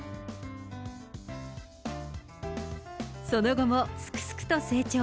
その後もすくすくと成長。